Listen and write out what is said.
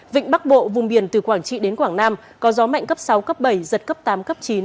vịnh bắc bộ vùng biển từ quảng trị đến quảng nam có gió mạnh cấp sáu cấp bảy giật cấp tám cấp chín